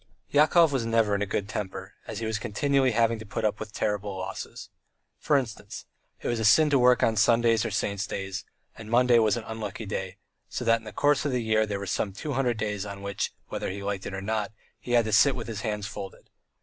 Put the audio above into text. Yakov was never in a good temper, as he was continually having to put up with terrible losses. For instance, it was a sin to work on Sundays or Saints' days, and Monday was an unlucky day, so that in the course of the year there were some two hundred days on which, whether he liked it or not, he had to sit with his hands folded.